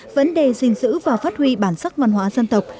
vấn đề sinh sử và phát huy bản sắc văn hóa dân tộc